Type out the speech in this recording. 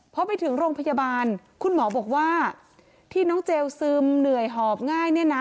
พอไปถึงโรงพยาบาลคุณหมอบอกว่าที่น้องเจลซึมเหนื่อยหอบง่ายเนี่ยนะ